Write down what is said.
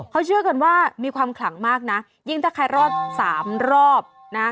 เขาเชื่อกันว่ามีความขลังมากนะยิ่งถ้าใครรอดสามรอบนะ